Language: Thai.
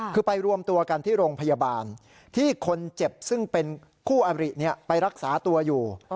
คือไปรวมตัวกันที่โรงพยาบาลที่คนเจ็บซึ่งเป็นคู่อริไปรักษาตัวอยู่